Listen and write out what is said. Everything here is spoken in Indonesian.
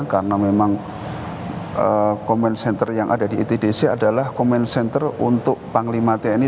karena memang command center yang ada di itdc adalah command center untuk panglima tni